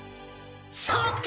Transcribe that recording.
そうか！